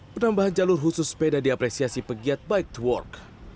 penambahan jalur khusus sepeda diapresiasi pegiat bike to work